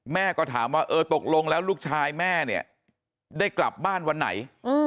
แม่ก็ถามว่าเออตกลงแล้วลูกชายแม่เนี่ยได้กลับบ้านวันไหน